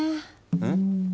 うん？